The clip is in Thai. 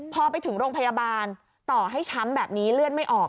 พอไปถึงโรงพยาบาลต่อให้ช้ำแบบนี้เลือดไม่ออก